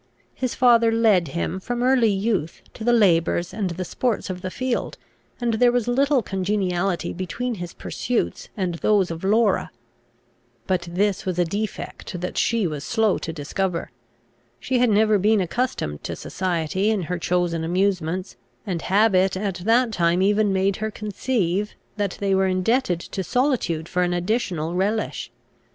His father led him, from early youth, to the labours and the sports of the field, and there was little congeniality between his pursuits and those of Laura. But this was a defect that she was slow to discover. She had never been accustomed to society in her chosen amusements, and habit at that time even made her conceive, that they were indebted to solitude for an additional relish.